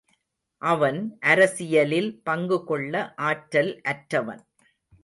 அவன், அரசியலில் பங்குகொள்ள ஆற்றல் அற்றவன்.